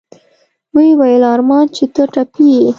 ويې ويل ارمان چې ته ټپي يې.